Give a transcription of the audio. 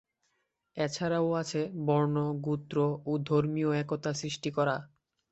এছাড়াও আছে বর্ণ, গোত্র, ও ধর্মীয় একতা সৃষ্টি করা।